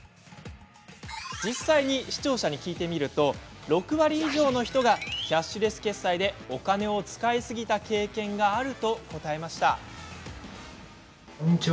実際に視聴者に聞いてみると６割以上の人がキャッシュレス決済でお金を使いすぎた経験があると答えました。